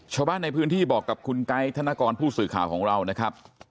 ชาวบ้านในพื้นที่บอกกับคุณไกด์ธนกรผู้สื่อข่าวของเรานะครับ